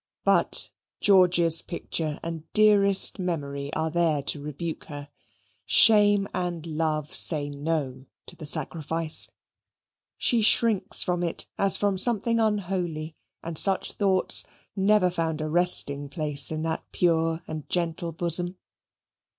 But George's picture and dearest memory are there to rebuke her. Shame and love say no to the sacrifice. She shrinks from it as from something unholy, and such thoughts never found a resting place in that pure and gentle bosom.